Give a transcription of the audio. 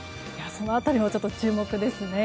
その辺りもちょっと注目ですね。